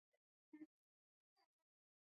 د ځمکې د رطوبت اندازه څنګه معلومه کړم؟